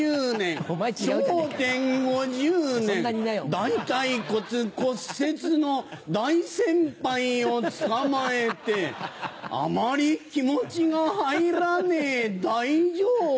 大腿骨骨折の大先輩をつかまえてあまり気持ちが入らねえ「大丈夫」。